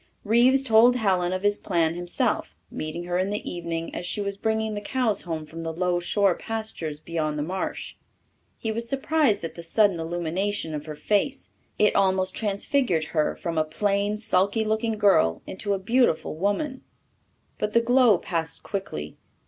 Reeves told Helen of his plan himself, meeting her in the evening as she was bringing the cows home from the low shore pastures beyond the marsh. He was surprised at the sudden illumination of her face. It almost transfigured her from a plain, sulky looking girl into a beautiful woman. But the glow passed quickly.